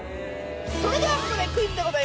それではここでクイズでございます。